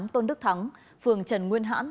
tôn đức thắng phường trần nguyên hãn